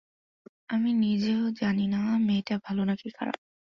আমি নিজে জানিও না মেয়েটা ভালো নাকি খারাপ।